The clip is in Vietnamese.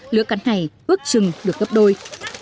lứa cá này ước chừng được gấp đôi